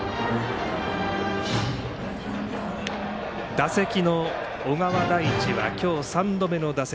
打席の小川大地は今日３度目の打席。